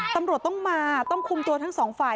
ตำรวจต้องมาต้องคุมตัวทั้งสองฝ่าย